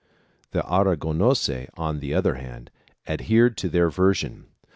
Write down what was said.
The Aragonese, on the other hand, adhered to their version.